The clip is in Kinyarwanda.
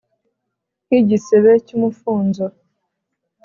nkigisebe cyumufunzo.